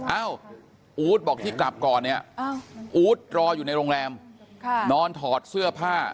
อ้าวอู๊ดบอกที่กลับก่อนเนี่ยอู๊ดรออยู่ในโรงแรมนอนถอดเสื้อผ้า